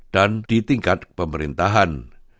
dan di tingkat pemerintahan